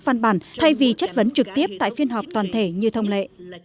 văn bản thay vì chất vấn trực tiếp tại phiên họp toàn thể như thông lệ